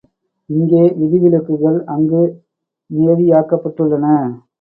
இங்கே விதிவிலக்குகள் அங்கு நியதியாக்கப்பட்டுள்ளன.